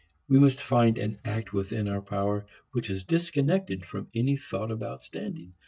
We must find an act within our power which is disconnected from any thought about standing.